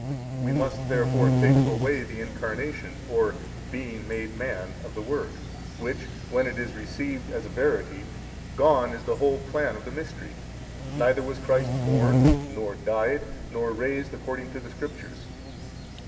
We must therefore take away the Incarnation, or being made man, of the Word. Which when it is received as a verity, gone is the whole plan of the Mystery; neither was Christ born, nor died, nor raised, according to the Scriptures.